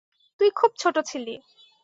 তুই খুব ছোট ছিলি।